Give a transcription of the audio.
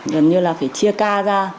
gần như là phải chia ca ra